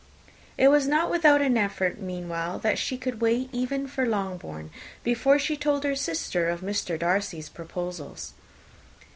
It was not without an effort, meanwhile, that she could wait even for Longbourn, before she told her sister of Mr. Darcy's proposals.